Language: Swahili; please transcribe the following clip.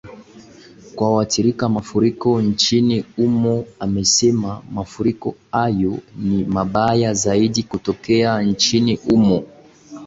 kwa waathirika mafuriko nchini humo amesema mafuriko hayo ni mabaya zaidi kutokea nchini humo